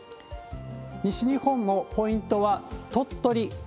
西日本もポイントは鳥取。